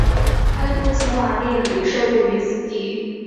他的父亲瓦列里受雇于此地。